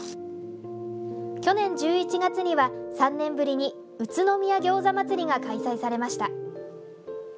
去年１１月には、３年ぶりに宇都宮餃子祭りが開催されました。